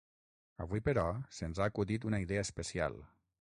Avui, però, se'ns ha acudit una idea especial.